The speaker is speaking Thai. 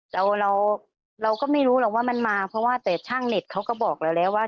เราเราก็ไม่รู้หรอกว่ามันมาเพราะว่าแต่ช่างเน็ตเขาก็บอกเราแล้วว่า